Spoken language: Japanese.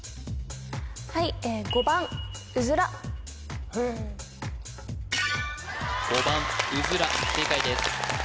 はいええへえ５番うずら正解です